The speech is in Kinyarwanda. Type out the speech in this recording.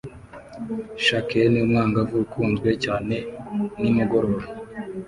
shakeni umwangavu ukunzwe cyane nimugoroba